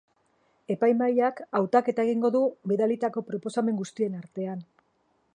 Epaimahaiak hautaketa egingo du bidalitako proposamen guztien artean.